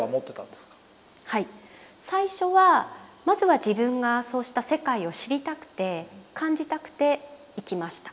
最初はまずは自分がそうした世界を知りたくて感じたくて行きました。